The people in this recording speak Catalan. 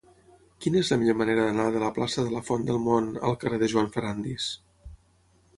Quina és la millor manera d'anar de la plaça de la Font del Mont al carrer de Joan Ferrándiz?